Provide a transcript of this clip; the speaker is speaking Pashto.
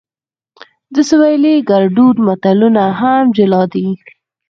د سویلي ګړدود متلونه هم جلا دي